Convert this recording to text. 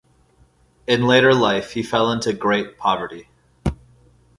In later life he fell into great poverty.